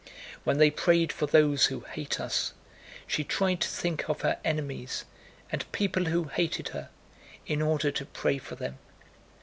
When they prayed for those who hate us, she tried to think of her enemies and people who hated her, in order to pray for them.